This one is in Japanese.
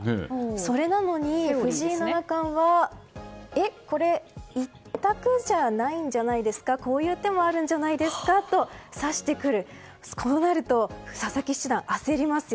それなのに藤井七冠はこれ１択じゃないんじゃないですかこういう手もあるんじゃないですかと指してくるとこうなると佐々木七段は焦ります。